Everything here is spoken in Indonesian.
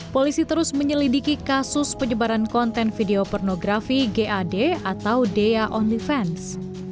polisi terus menyelidiki kasus penyebaran konten video pornografi gad atau dea only fans